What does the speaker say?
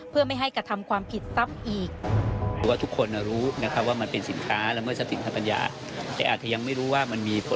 เพื่อไม่ให้กระทำความผิดซ้ำอีก